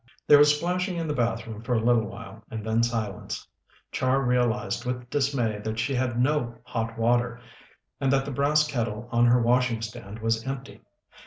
There was splashing in the bathroom for a little while, and then silence. Char realized with dismay that she had no hot water, and that the brass kettle on her washing stand was empty.